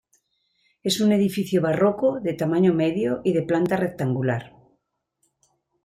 Es un edificio barroco de tamaño medio y de planta rectangular.